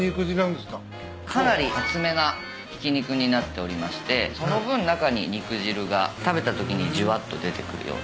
かなり厚めなひき肉になっておりましてその分中に肉汁が食べたときにじゅわっと出てくるような。